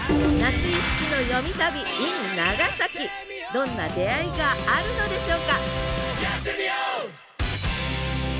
どんな出会いがあるのでしょうか